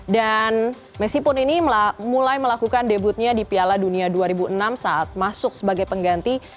dan messi pun ini mulai melakukan debutnya di piala dunia dua ribu enam saat masuk sebagai pengganti